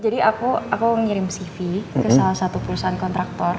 jadi aku ngirim cv ke salah satu perusahaan kontraktor